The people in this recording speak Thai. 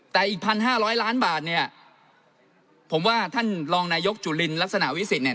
แต่อีก๑๕๐๐ล้านบาทเนี่ยผมว่าท่านรองนายกจุลินลักษณะวิสิทธิเนี่ย